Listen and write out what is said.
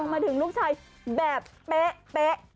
มาถึงลูกชายแบบเป๊ะ